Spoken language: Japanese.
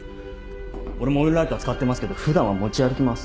俺もオイルライター使ってますけど普段は持ち歩きません。